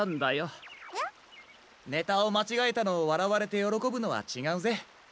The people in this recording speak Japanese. ネタをまちがえたのをわらわれてよろこぶのはちがうぜ。